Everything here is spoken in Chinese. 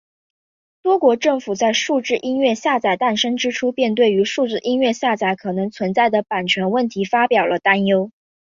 多国政府在数字音乐下载诞生之初便对于数字音乐下载可能存在的版权问题表达了担忧。